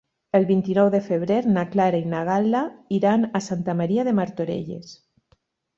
El vint-i-nou de febrer na Clara i na Gal·la iran a Santa Maria de Martorelles.